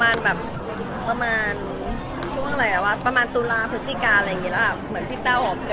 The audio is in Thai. เอ่อจริงคุยกันตั้งแต่ประมาณช่วงช่วงอะไรอ่ะประมาณตุราปันจิกาอะไรอย่างนี้แล้วค่ะ